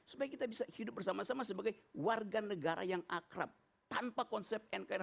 supaya kita bisa hidup bersama sama sebagai warga negara yang akrab tanpa konsep nkri